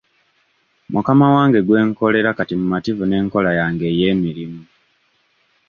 Mukama wange gwe nkolera kati mumativu n'enkola yange ey'emirimu.